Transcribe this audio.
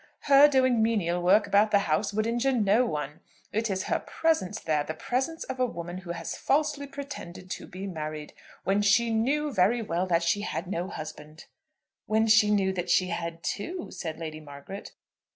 Her doing menial work about the house would injure no one. It is her presence there, the presence of a woman who has falsely pretended to be married, when she knew very well that she had no husband." "When she knew that she had two," said Lady Margaret.